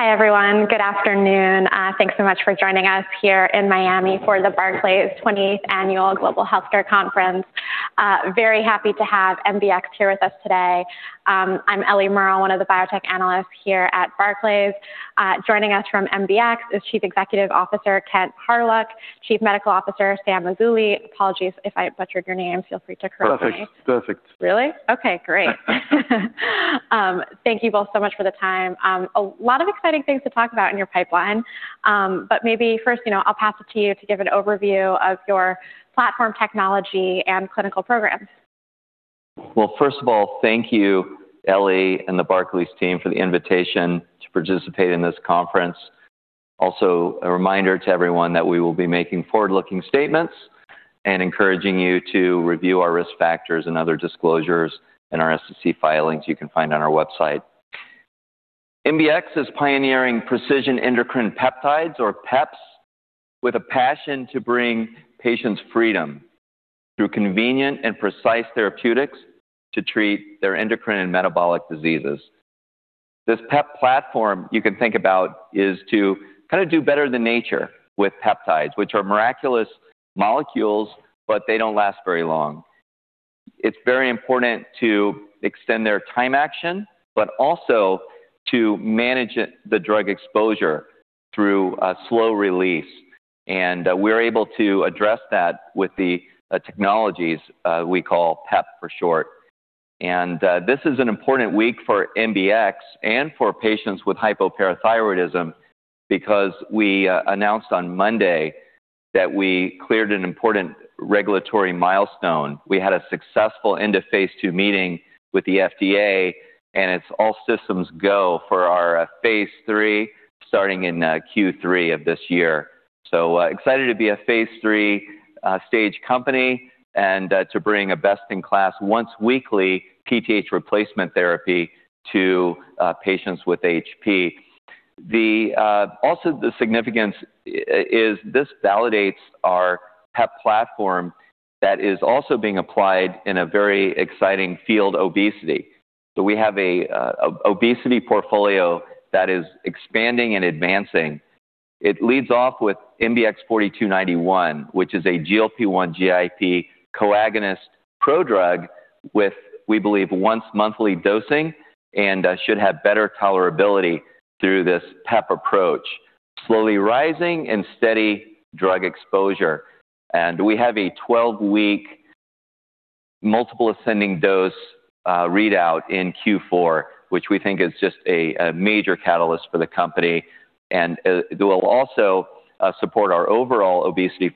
Hi, everyone. Good afternoon. Thanks so much for joining us here in Miami for the Barclays 20th Annual Global Healthcare Conference. Very happy to have MBX here with us today. I'm Ellie Merrill, one of the biotech analysts here at Barclays. Joining us from MBX is Chief Executive Officer Kent Hawryluk, Chief Medical Officer Sam Azoulay. Apologies if I butchered your name. Feel free to correct me. Perfect. Perfect. Really? Okay, great. Thank you both so much for the time. A lot of exciting things to talk about in your pipeline, but maybe first, you know, I'll pass it to you to give an overview of your platform technology and clinical programs. Well, first of all, thank you, Ellie Merrill and the Barclays team, for the invitation to participate in this conference. Also, a reminder to everyone that we will be making forward-looking statements and encouraging you to review our risk factors and other disclosures in our SEC filings you can find on our website. MBX is pioneering precision endocrine peptides or PEPs with a passion to bring patients freedom through convenient and precise therapeutics to treat their endocrine and metabolic diseases. This PEP platform you can think about is to kind of do better than nature with peptides, which are miraculous molecules, but they don't last very long. It's very important to extend their time action, but also to manage it, the drug exposure through a slow release. We're able to address that with the technologies we call PEP for short. This is an important week for MBX and for patients with hypoparathyroidism because we announced on Monday that we cleared an important regulatory milestone. We had a successful end-of-phase II meeting with the FDA, and it's all systems go for our phase III, starting in Q3 of this year. Excited to be a phase III-stage company and to bring a best-in-class once-weekly PTH replacement therapy to patients with HP. The significance is this validates our PEP platform that is also being applied in a very exciting field, obesity. We have an obesity portfolio that is expanding and advancing. It leads off with MBX 4291, which is a GLP-1/GIP co-agonist prodrug with, we believe, once-monthly dosing and should have better tolerability through this PEP approach. Slowly rising and steady drug exposure. We have a 12-week multiple ascending dose readout in Q4, which we think is just a major catalyst for the company. It will also support our overall obesity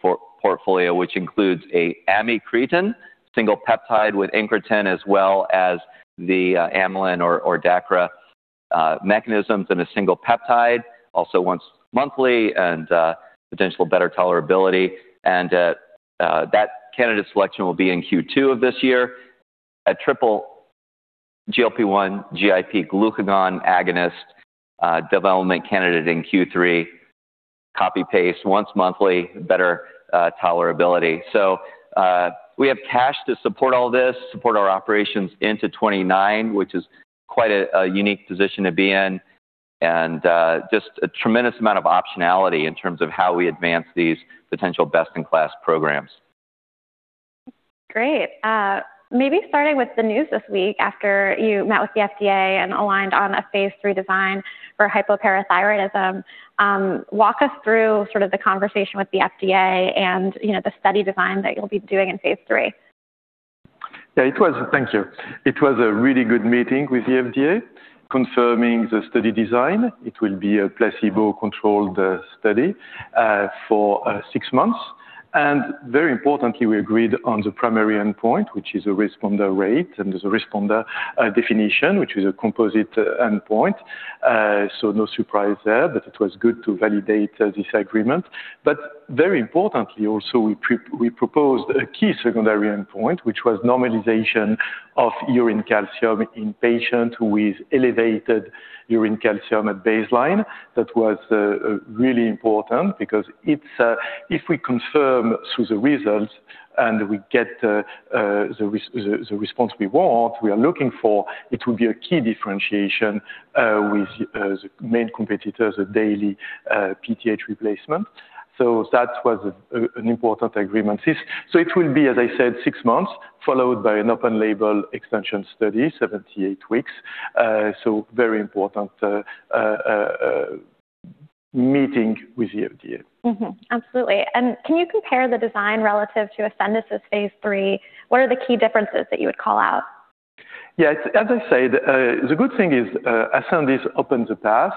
portfolio, which includes a amycretin single peptide with incretin, as well as the amylin or DACRA mechanisms in a single peptide, also once monthly and potential better tolerability. That candidate selection will be in Q2 of this year. A triple GLP-1 GIP glucagon agonist development candidate in Q3, copy-paste once monthly, better tolerability. We have cash to support all this, our operations into 2029, which is quite a unique position to be in, and just a tremendous amount of optionality in terms of how we advance these potential best-in-class programs. Great. Maybe starting with the news this week after you met with the FDA and aligned on a phase III design for hypoparathyroidism, walk us through sort of the conversation with the FDA and, you know, the study design that you'll be doing in phase III? Thank you. It was a really good meeting with the FDA confirming the study design. It will be a placebo-controlled study for six months. Very importantly, we agreed on the primary endpoint, which is a responder rate and the responder definition, which is a composite endpoint. No surprise there. It was good to validate this agreement. Very importantly, also, we proposed a key secondary endpoint, which was normalization of urine calcium in patients with elevated urine calcium at baseline. That was really important because if we confirm through the results and we get the response we want, we are looking for, it will be a key differentiation with the main competitors, a daily PTH replacement. That was an important agreement. It will be, as I said, six months, followed by an open-label extension study, 78 weeks. Very important meeting with the FDA. Absolutely. Can you compare the design relative to Ascendis' phase III? What are the key differences that you would call out? Yeah. As I said, the good thing is, Ascendis opened the path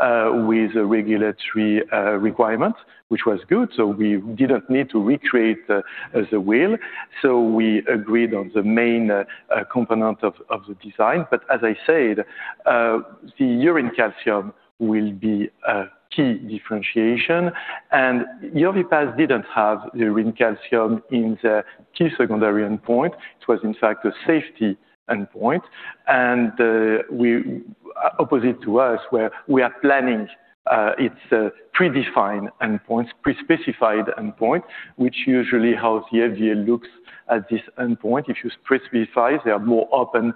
with regulatory requirements, which was good, so we didn't need to recreate the wheel. We agreed on the main component of the design. As I said, the urine calcium will be a key differentiation. Yorvipath didn't have urine calcium in the key secondary endpoint. It was, in fact, a safety endpoint. Opposite to us, where we are planning its predefined, pre-specified endpoint, which usually how the FDA looks at this endpoint. If you pre-specify, they are more open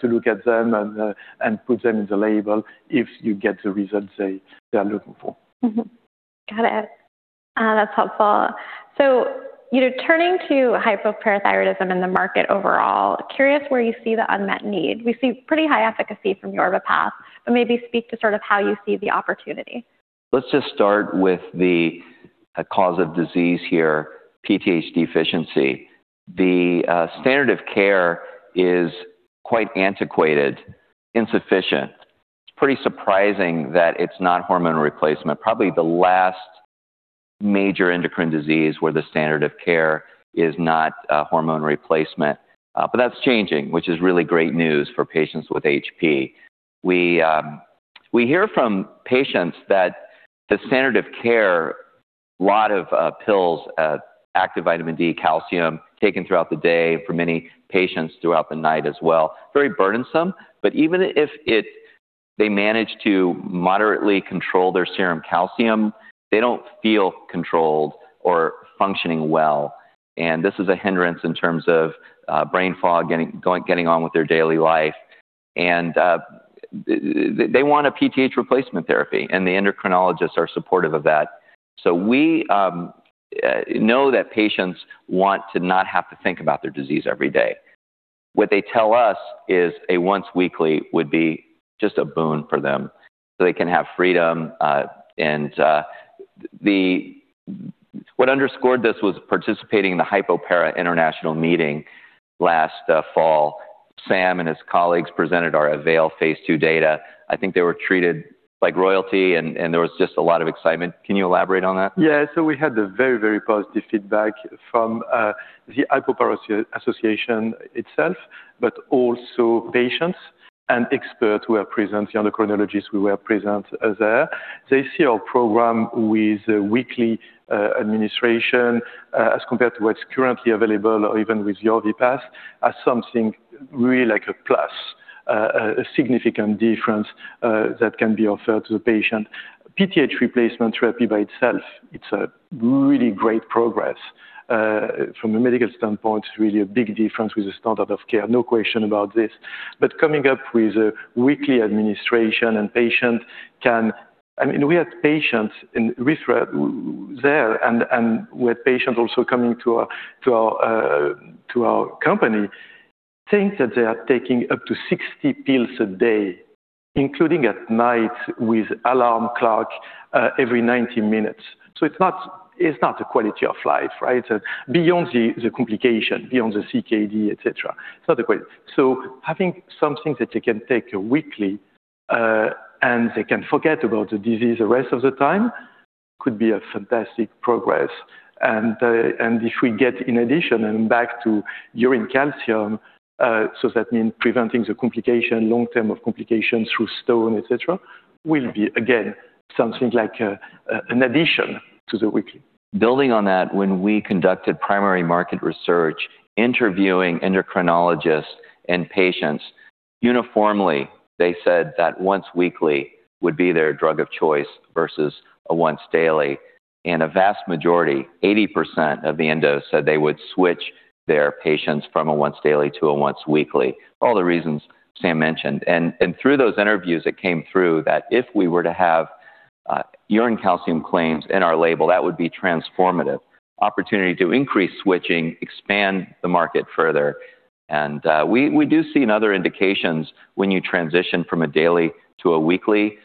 to look at them and put them in the label if you get the results they are looking for. Got it. That's helpful. You know, turning to hypoparathyroidism in the market overall, curious where you see the unmet need. We see pretty high efficacy from Yorvipath, but maybe speak to sort of how you see the opportunity. Let's just start with the cause of disease here, PTH deficiency. The standard of care is quite antiquated, insufficient. It's pretty surprising that it's not hormone replacement. Probably the last major endocrine disease where the standard of care is not hormone replacement. But that's changing, which is really great news for patients with HP. We hear from patients that the standard of care, lot of pills, active vitamin D, calcium taken throughout the day for many patients throughout the night as well, very burdensome. But even if they manage to moderately control their serum calcium, they don't feel controlled or functioning well, and this is a hindrance in terms of brain fog, getting on with their daily life. They want a PTH replacement therapy, and the endocrinologists are supportive of that. We know that patients want to not have to think about their disease every day. What they tell us is a once weekly would be just a boon for them, so they can have freedom. And what underscored this was participating in the International Hypoparathyroidism Conference last fall. Sam and his colleagues presented our Avail phase II data. I think they were treated like royalty and there was just a lot of excitement. Can you elaborate on that? Yeah. We had a very, very positive feedback from the Hypoparathyroidism Association itself, but also patients and experts who were present, the endocrinologists who were present there. They see our program with weekly administration as compared to what's currently available or even with Yorvipath, as something really like a plus, a significant difference that can be offered to the patient. PTH replacement therapy by itself, it's a really great progress. From a medical standpoint, it's really a big difference with the standard of care. No question about this. Coming up with a weekly administration, I mean, we had patients there, and we had patients also coming to our company saying that they are taking up to 60 pills a day, including at night with alarm clock every 90 minutes. It's not a quality of life, right? Beyond the complication, beyond the CKD, etc. It's not the quality. Having something that they can take weekly, and they can forget about the disease the rest of the time could be a fantastic progress. If we get in addition and back to urine calcium, that means preventing the long-term complication through stone, etc., will be again something like an addition to the weekly. Building on that, when we conducted primary market research, interviewing endocrinologists and patients, uniformly, they said that once weekly would be their drug of choice versus a once daily. A vast majority, 80% of the endos, said they would switch their patients from a once daily to a once weekly. All the reasons Sam mentioned. Through those interviews, it came through that if we were to have urine calcium claims in our label, that would be transformative. Opportunity to increase switching, expand the market further. We do see in other indications when you transition from a daily to a weekly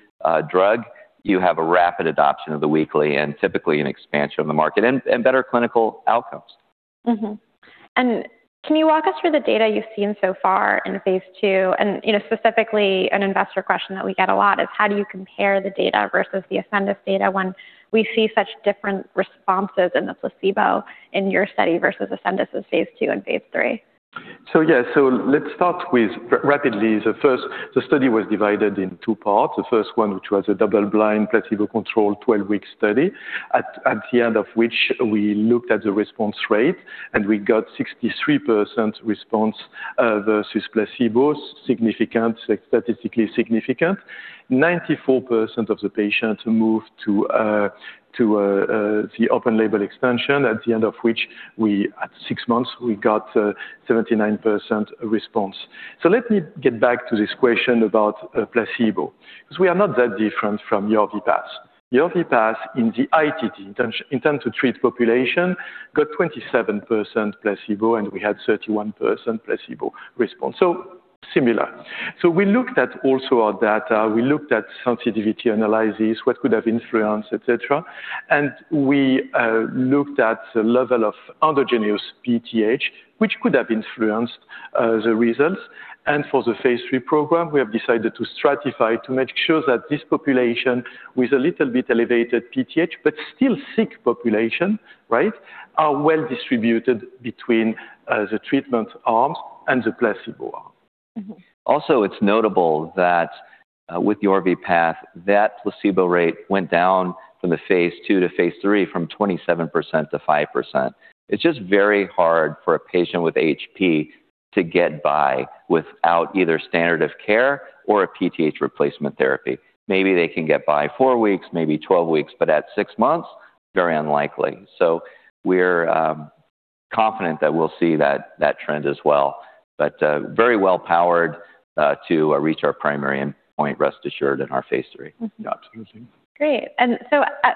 drug, you have a rapid adoption of the weekly and typically an expansion of the market and better clinical outcomes. Can you walk us through the data you've seen so far in phase II? You know, specifically an investor question that we get a lot is how do you compare the data versus the Ascendis data when we see such different responses in the placebo in your study versus Ascendis' phase II and phase III? Yeah. Let's start with the Avail. The study was divided in two parts. The first one, which was a double-blind, placebo-controlled 12-week study, at the end of which we looked at the response rate, and we got 63% response versus placebo, significant, statistically significant. 94% of the patients moved to the open label expansion, at the end of which, at six months, we got 79% response. Let me get back to this question about placebo, because we are not that different from Yorvipath. Yorvipath in the ITT, intent to treat population, got 27% placebo, and we had 31% placebo response. Similar. We also looked at our data. We looked at sensitivity analysis, what could have influenced, et cetera. We looked at the level of endogenous PTH, which could have influenced the results. For the phase III program, we have decided to stratify to make sure that this population with a little bit elevated PTH, but still sick population, right, are well distributed between the treatment arms and the placebo arm. Mm-hmm. It's notable that with Yorvipath, that placebo rate went down from phase II to phase III from 27% to 5%. It's just very hard for a patient with HP to get by without either standard of care or a PTH replacement therapy. Maybe they can get by four weeks, maybe 12 weeks, but at six months, very unlikely. We're confident that we'll see that trend as well. Very well powered to reach our primary endpoint, rest assured, in our phase III. Absolutely. Great.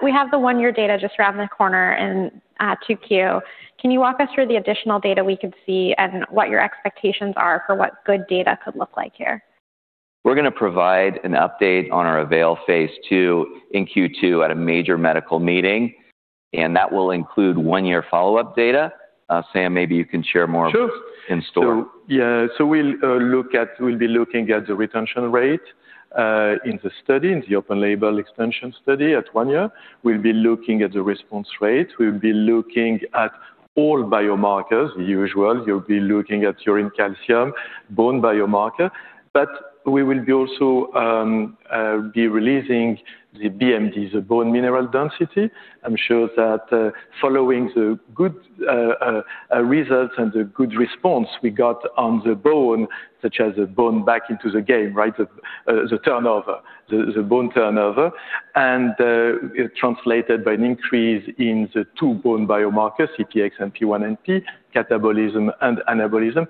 We have the one-year data just around the corner in Q2. Can you walk us through the additional data we could see and what your expectations are for what good data could look like here? We're going to provide an update on our Avail phase II in Q2 at a major medical meeting, and that will include one-year follow-up data. Sam, maybe you can share more. Sure in store. We'll be looking at the retention rate in the study, in the open label extension study at one year. We'll be looking at the response rate. We'll be looking at all biomarkers, the usual. We'll be looking at urine calcium, bone biomarker. We will also be releasing the BMD, the bone mineral density. I'm sure that following the good result and the good response we got on the bone, getting the bone back into the game, right? The bone turnover, and it translated by an increase in the two bone biomarkers, CTX and P1NP, catabolism and anabolism.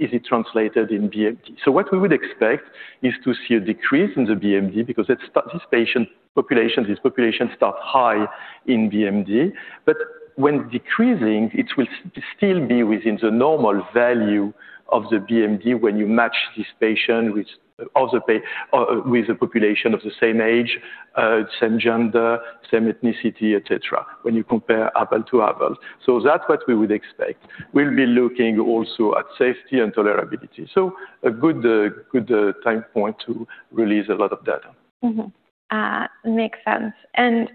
Is it translated in BMD? What we would expect is to see a decrease in the BMD because it start. This patient population, this population start high in BMD. When decreasing, it will still be within the normal value of the BMD when you match this patient with other or with a population of the same age, same gender, same ethnicity, et cetera, when you compare apple to apple. That's what we would expect. We'll be looking also at safety and tolerability. A good time point to release a lot of data. Makes sense.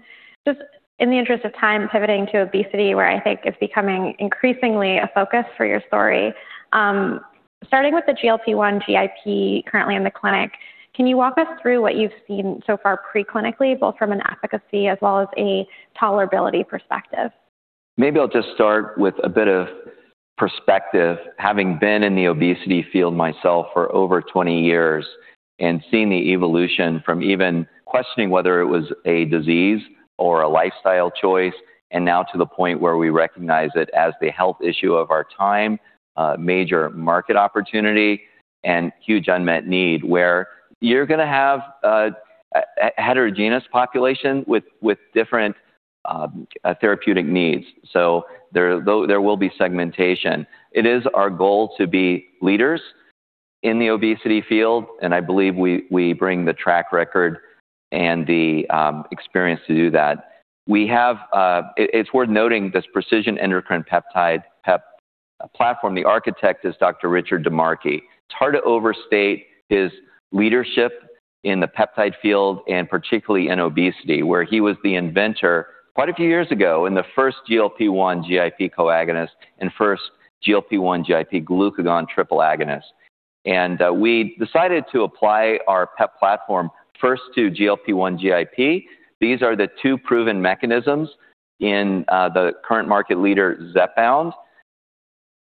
Just in the interest of time, pivoting to obesity, where I think it's becoming increasingly a focus for your story. Starting with the GLP-1/GIP currently in the clinic, can you walk us through what you've seen so far pre-clinically, both from an efficacy as well as a tolerability perspective? Maybe I'll just start with a bit of perspective, having been in the obesity field myself for over 20 years and seeing the evolution from even questioning whether it was a disease or a lifestyle choice, and now to the point where we recognize it as the health issue of our time, a major market opportunity and huge unmet need where you're going to have a heterogeneous population with different therapeutic needs. There will be segmentation. It is our goal to be leaders in the obesity field, and I believe we bring the track record and the experience to do that. It's worth noting this Precision Endocrine Peptide, PEP, platform, the architect is Dr. Richard DiMarchi. It's hard to overstate his leadership in the peptide field, and particularly in obesity, where he was the inventor quite a few years ago in the first GLP-1/GIP co-agonist and first GLP-1/GIP glucagon triple agonist. We decided to apply our PEP platform first to GLP-1/GIP. These are the two proven mechanisms in the current market leader, Zepbound.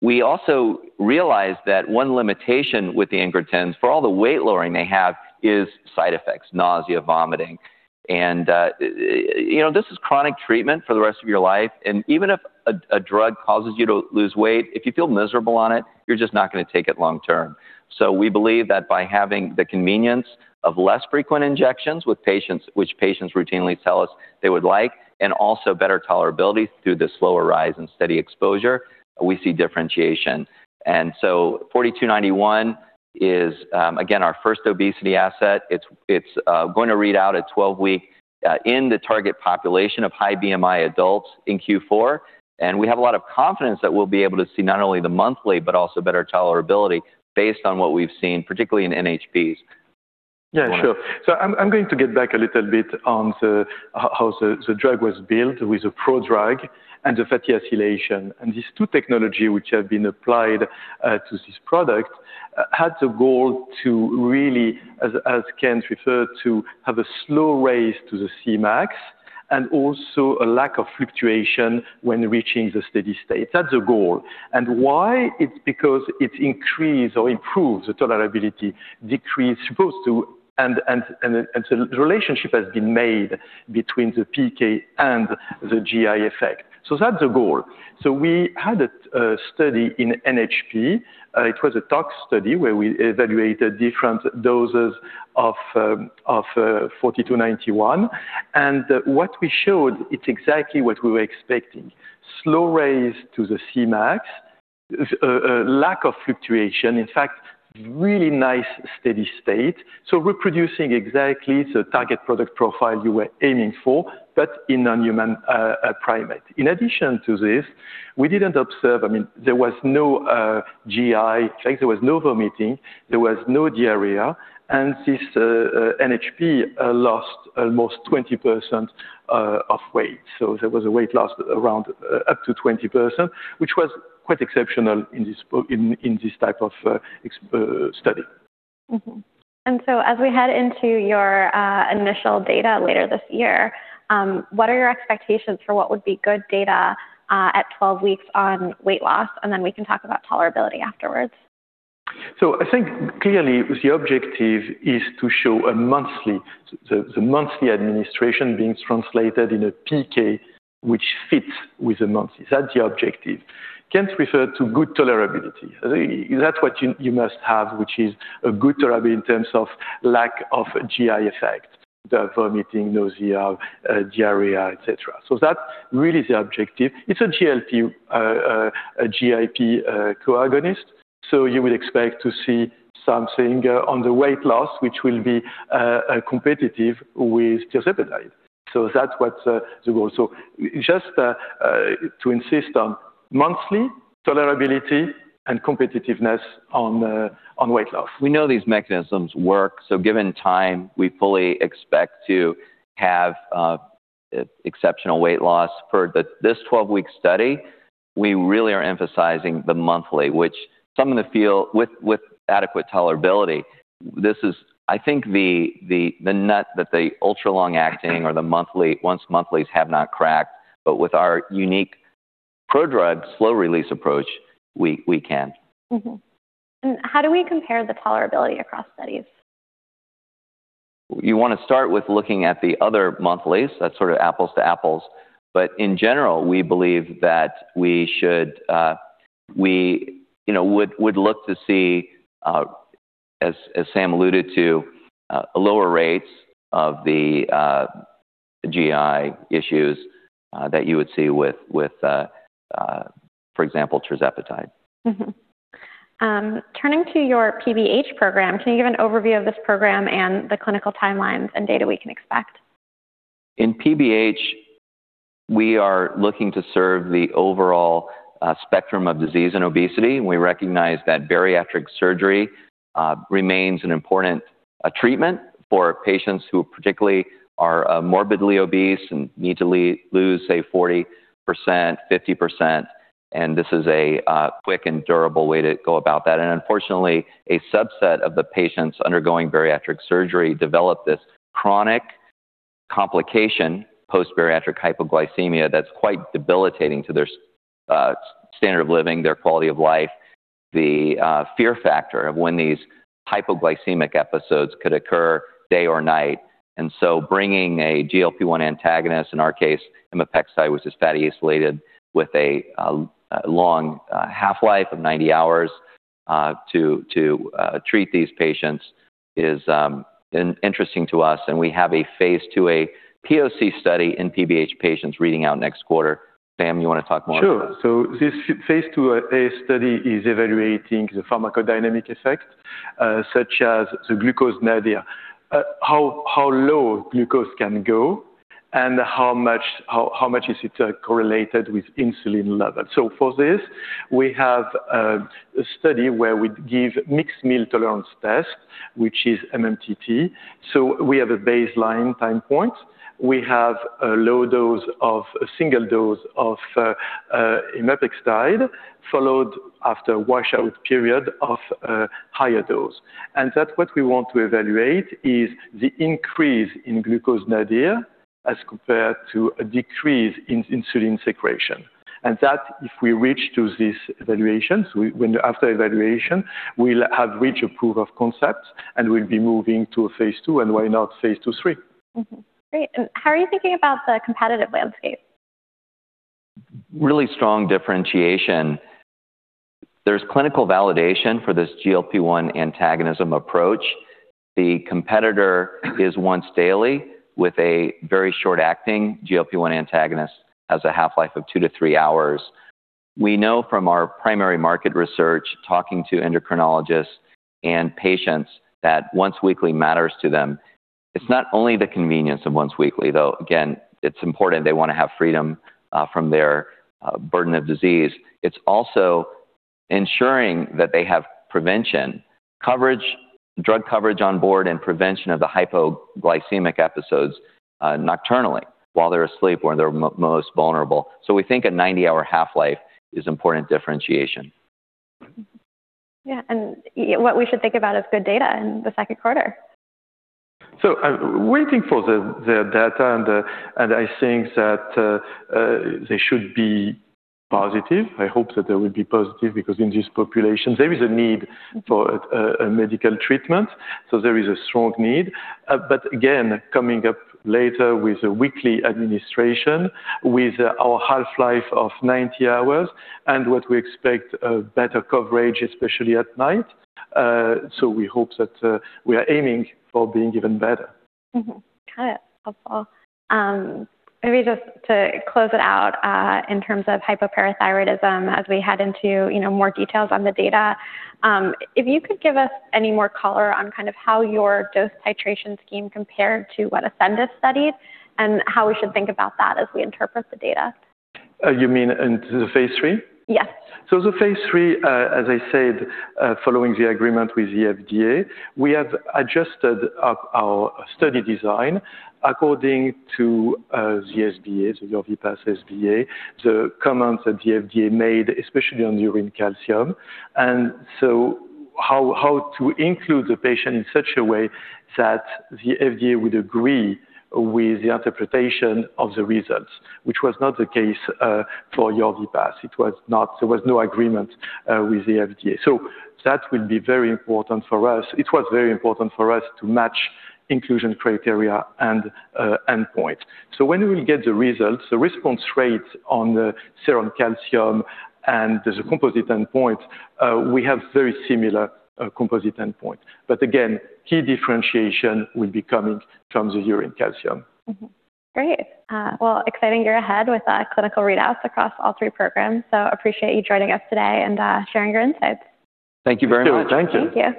We also realized that one limitation with the incretins, for all the weight lowering they have, is side effects, nausea, vomiting. This is chronic treatment for the rest of your life. Even if a drug causes you to lose weight, if you feel miserable on it, you're just not going to take it long term. We believe that by having the convenience of less frequent injections with patients, which patients routinely tell us they would like, and also better tolerability through the slower rise and steady exposure, we see differentiation. 4291 is, again, our first obesity asset. It's going to read out at 12-week in the target population of high BMI adults in Q4. We have a lot of confidence that we'll be able to see not only the monthly, but also better tolerability based on what we've seen, particularly in NHPs. Yeah, sure. I'm going to get back a little bit on how the drug was built with a prodrug and the fatty acylation. These two technology which have been applied to this product had the goal to really, as Kent referred to, have a slow rise to the Cmax and also a lack of fluctuation when reaching the steady state. That's the goal. Why? It's because it increase or improves the tolerability, decreases as opposed to, and the relationship has been made between the PK and the GI effect. That's the goal. We had a study in NHP. It was a tox study where we evaluated different doses of 4291. What we showed, it's exactly what we were expecting. Slow rise to the Cmax, lack of fluctuation. In fact, really nice steady state. Reproducing exactly the target product profile you were aiming for, but in non-human primate. In addition to this, we didn't observe. I mean, there was no GI effect. There was no vomiting. There was no diarrhea. This NHP lost almost 20% of weight. There was a weight loss around up to 20%, which was quite exceptional in this type of study. As we head into your initial data later this year, what are your expectations for what would be good data at 12 weeks on weight loss? We can talk about tolerability afterwards. I think clearly the objective is to show a monthly administration being translated in a PK which fits with the monthly. That's the objective. Kent referred to good tolerability. That's what you must have, which is a good tolerability in terms of lack of GI effects, the vomiting, nausea, diarrhea, et cetera. That really is the objective. It's a GLP-1/GIP co-agonist. You would expect to see something on the weight loss, which will be competitive with tirzepatide. That's what's the goal. Just to insist on monthly tolerability and competitiveness on weight loss. We know these mechanisms work, so given time, we fully expect to have exceptional weight loss. For this 12-week study, we really are emphasizing the monthly, which some in the field with adequate tolerability. This is I think the nut that the ultra-long acting or the monthly once monthlies have not cracked. With our unique prodrug slow release approach, we can. How do we compare the tolerability across studies? You wanna start with looking at the other monthlies, that's sort of apples to apples. In general, we believe that we should, you know, would look to see, as Sam alluded to, lower rates of the GI issues, that you would see with, for example, tirzepatide. Turning to your PBH program, can you give an overview of this program and the clinical timelines and data we can expect? In PBH, we are looking to serve the overall spectrum of disease and obesity, and we recognize that bariatric surgery remains an important treatment for patients who particularly are morbidly obese and need to lose, say, 40%, 50%, and this is a quick and durable way to go about that. Unfortunately, a subset of the patients undergoing bariatric surgery develop this chronic complication, post-bariatric hypoglycemia, that's quite debilitating to their standard of living, their quality of life, the fear factor of when these hypoglycemic episodes could occur day or night. Bringing a GLP-1 antagonist, in our case, imapextide, which is fatty acylated with a long half-life of 90 hours, to treat these patients is interesting to us, and we have a phase IIA POC study in PBH patients reading out next quarter. Sam, you wanna talk more about that? Sure. This phase IIA study is evaluating the pharmacodynamic effect, such as the glucose nadir. How low glucose can go and how much is it correlated with insulin level. For this, we have a study where we give mixed meal tolerance test, which is MMTT. We have a baseline time point. We have a single dose of imapextide, followed after washout period of a higher dose. That's what we want to evaluate is the increase in glucose nadir as compared to a decrease in insulin secretion. If we reach to these evaluations, after evaluation, we'll have reached a proof of concept, and we'll be moving to a phase II, and why not phase II, III. Great. How are you thinking about the competitive landscape? Really strong differentiation. There's clinical validation for this GLP-1 antagonism approach. The competitor is once daily with a very short-acting GLP-1 antagonist, has a half-life of two-three hours. We know from our primary market research, talking to endocrinologists and patients that once weekly matters to them. It's not only the convenience of once weekly, though. Again, it's important they wanna have freedom from their burden of disease. It's also ensuring that they have prevention, coverage, drug coverage on board and prevention of the hypoglycemic episodes nocturnally while they're asleep, when they're most vulnerable. We think a 90-hour half-life is important differentiation. Yeah, what we should think about is good data in the Q2. I'm waiting for the data and I think that they should be positive. I hope that they will be positive because in this population, there is a need for a medical treatment, so there is a strong need. Again, coming up later with a weekly administration with our half-life of 90 hours and what we expect a better coverage, especially at night. We hope that we are aiming for being even better. Got it. Helpful. Maybe just to close it out, in terms of hypoparathyroidism as we head into, you know, more details on the data, if you could give us any more color on kind of how your dose titration scheme compared to what Ascendis studied and how we should think about that as we interpret the data. You mean in the phase III? Yes. The phase III, as I said, following the agreement with the FDA, we have adjusted our study design according to the SPA, the Yorvipath SPA, the comments that the FDA made, especially on urine calcium. How to include the patient in such a way that the FDA would agree with the interpretation of the results, which was not the case for Yorvipath. It was not the case for Yorvipath. There was no agreement with the FDA. That will be very important for us. It was very important for us to match inclusion criteria and endpoint. When we will get the results, the response rates on the serum calcium and the composite endpoint, we have very similar composite endpoint. Again, key differentiation will be coming from the urine calcium. Great. Well, exciting year ahead with clinical readouts across all three programs, so appreciate you joining us today and sharing your insights. Thank you very much. Thank you.